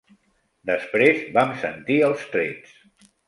Després, vam sentir els trets.